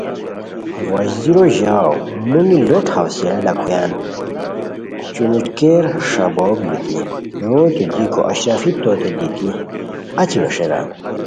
وزیرو ژاؤ مُونی لوٹ حوصلہ لاکھویان چموٹکیر ݰابوک بیتی روئیتو دیکو اشرفی توت دیتی اچی ویݰیران